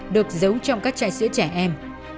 được giấu trong các chai sữa trẻ em